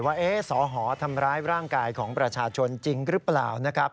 ว่าสอหอทำร้ายร่างกายของประชาชนจริงหรือเปล่านะครับ